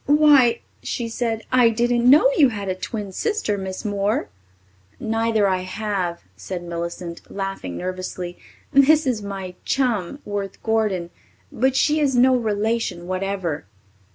why!" she said. "I didn't know you had a twin sister, Miss Moore." "Neither I have," said Millicent, laughing nervously. "This is my chum, Worth Gordon, but she is no relation whatever."